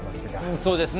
そうですね。